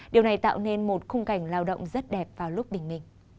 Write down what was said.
điều này tạo nên một khung cảnh lao động rất đẹp vào lúc bình